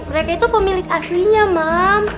mereka itu pemilik aslinya ma